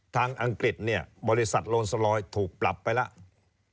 อังกฤษเนี่ยบริษัทโลนสลอยถูกปรับไปแล้ว